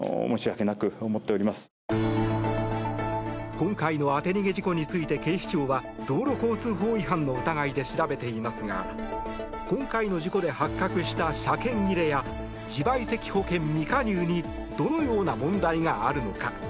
今回の当て逃げ事故について警視庁は道路交通法違反の疑いで調べていますが今回の事故で発覚した車検切れや自賠責保険未加入にどのような問題があるのか。